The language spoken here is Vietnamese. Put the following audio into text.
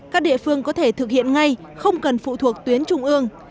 các địa phương có thể thực hiện ngay không cần phụ thuộc tuyến trung ương